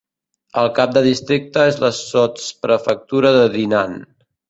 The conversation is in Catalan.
El cap del districte és la sotsprefectura de Dinan.